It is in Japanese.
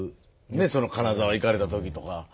ねっその金沢行かれた時とか。